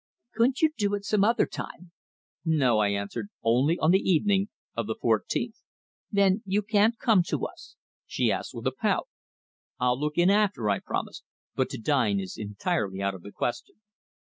"Couldn't you do it some other time?" "No," I answered. "Only on the evening of the fourteenth." "Then you can't come to us?" she asked with a pout. "I'll look in after," I promised. "But to dine is entirely out of the question."